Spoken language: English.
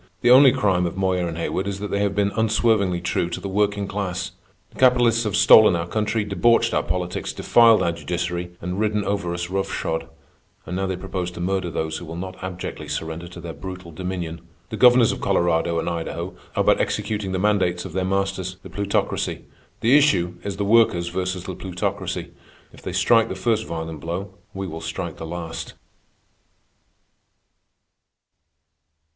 The only crime of Moyer and Haywood is that they have been unswervingly true to the working class. The capitalists have stolen our country, debauched our politics, defiled our judiciary, and ridden over us rough shod, and now they propose to murder those who will not abjectly surrender to their brutal dominion. The governors of Colorado and Idaho are but executing the mandates of their masters, the Plutocracy. The issue is the Workers versus the Plutocracy. If they strike the first violent blow, we will strike the last.